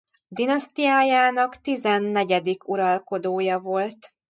Dinasztiájának tizennegyedik uralkodója volt.